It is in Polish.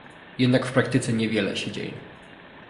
Jednak w praktyce niewiele się dzieje